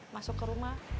masuk ke rumah